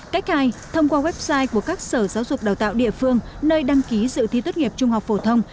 cách hai thông qua website của các sở giáo dục đào tạo địa phương nơi đăng ký dự thi tốt nghiệp trung học phổ thông